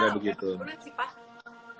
wah beresikoin sih pak